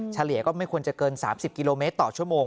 เฉลี่ยก็ไม่ควรจะเกิน๓๐กิโลเมตรต่อชั่วโมง